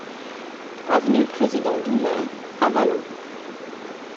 Avenue Président Doumer, Avallon